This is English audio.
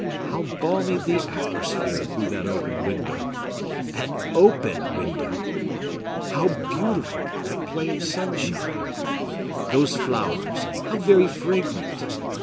How balmy the atmosphere through that open window! An open window! How beautiful that play of sunshine! Those flowers, how very fragrant!